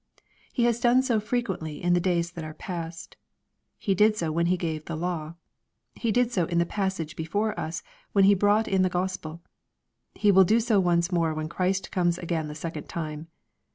He has done so frequently in the days that are past. He did so when He gave the law. He did so in the passage before us when He brought in the Gos pel He will do so once more when Christ comes again the second time.